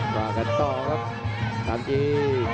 ต่อกันต่อครับสามจี